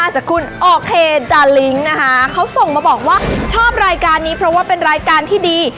ชอบรายการนี้เพราะว่าเป็นรายการที่ดี